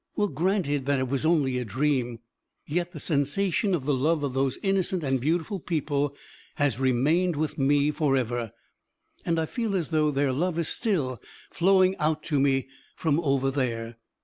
Well, granted that it was only a dream, yet the sensation of the love of those innocent and beautiful people has remained with me for ever, and I feel as though their love is still flowing out to me from over there.